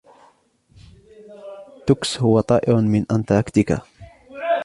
تُكس هو طائر من أنتاركتيكا.